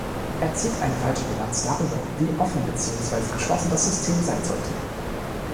Er zieht eine falsche Bilanz darüber, wie offen beziehungsweise geschlossen das System sein sollte.